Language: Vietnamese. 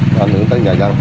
nó nướng tới nhà dân